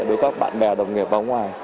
với các bạn bè đồng nghiệp vào ngoài